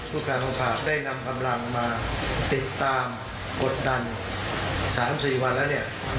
ผู้แพทย์ภูทรภาคได้นำกำลังมาติดตามกดดัน๓๔วันแล้ว